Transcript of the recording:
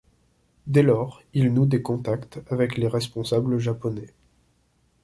Dès lors, il noue des contacts avec les responsables japonais.